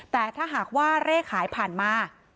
แต่ถ้าหากว่าเลขขายผ่านมา